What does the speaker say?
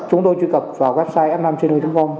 chúng tôi truy cập vào website m năm com